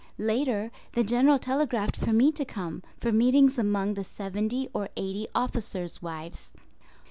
Later the General telegraphed for me to come for meetings among the 70 or 80 officers' wives.